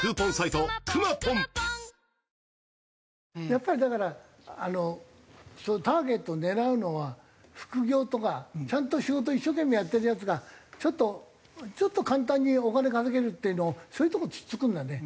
やっぱりだからターゲット狙うのは副業とかちゃんと仕事を一生懸命やってるヤツがちょっとちょっと簡単にお金稼げるっていうのをそういうとこ突っつくんだね。